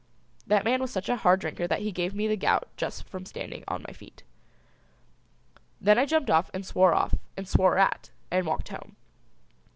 That man was such a hard drinker that he gave me the gout just from standing on my feet. Then I jumped off and swore off and swore at and walked home.